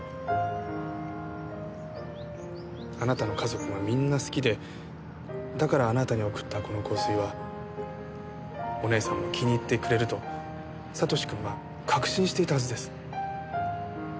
あなたの家族がみんな好きでだからあなたに贈ったこの香水はお姉さんも気に入ってくれると悟志君は確信していたはずです。